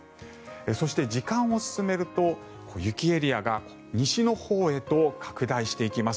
そして、時間を進めると雪エリアが西のほうへと拡大していきます。